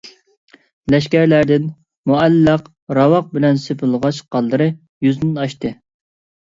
لەشكەرلەردىن مۇئەللەق راۋاق بىلەن سېپىلغا چىققانلىرى يۈزدىن ئاشتى.